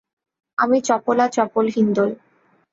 আমি চপলা-চপল হিন্দোল।